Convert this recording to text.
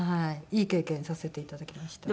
いい経験させていただきました。